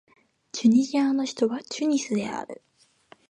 チュニジアの首都はチュニスである